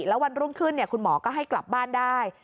แล้ววันรุ่งขึ้นคุณหมอก็ให้กลับบ้านได้